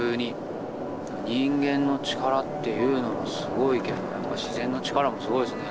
人間の力っていうのはすごいけどやっぱ自然の力もすごいですね。